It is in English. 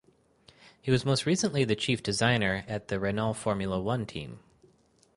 He was most recently the chief designer at the Renault Formula One team.